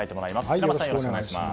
平松さん、よろしくお願いします。